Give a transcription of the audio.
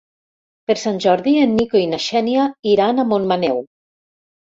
Per Sant Jordi en Nico i na Xènia iran a Montmaneu.